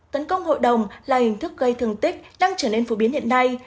tấn công hội đồng là hình thức gây thương tích đang trở nên phổ biến hiện nay